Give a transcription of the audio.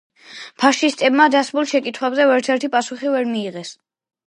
ფაშისტებმა დასმულ შეკითხვებზე ვერცერთი პასუხი ვერ მიიღეს.